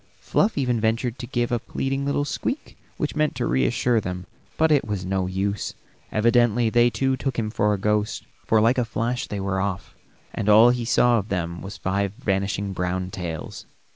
Fluff even ventured to give a pleading little squeak which meant to reassure them, but it was no use; evidently they too took him for a ghost, for like a flash they were off, and all he saw of them was five vanishing brown tails.